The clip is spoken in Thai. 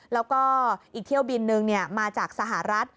แล้วก็อีกเที่ยวบินนึงมาจากสหรัฐ